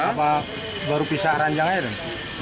apa baru pisah ranjang aja dan